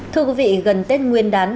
thưa quý vị gần tết nguyên đán